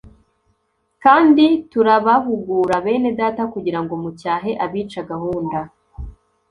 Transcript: Kandi turabahugura, bene Data, kugira ngo mucyahe abica gahunda,